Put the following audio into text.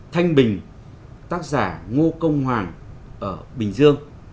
thanh bình tác giả ngô công hoàng ở bình dương